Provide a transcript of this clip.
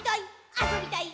あそびたい！」